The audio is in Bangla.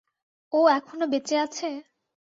ও এখনো বেঁচে আছে?